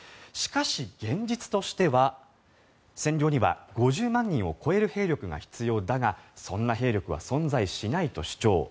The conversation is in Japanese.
しかし、現実としては戦場には５０万人を超える兵力が必要だがそんな兵力は存在しないと主張。